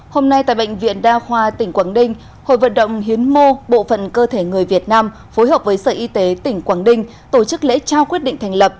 hôm nay tại bệnh viện đa khoa tỉnh quảng ninh hội vận động hiến mô bộ phận cơ thể người việt nam phối hợp với sở y tế tỉnh quảng đinh tổ chức lễ trao quyết định thành lập